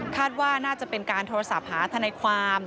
ว่าน่าจะเป็นการโทรศัพท์หาทนายความ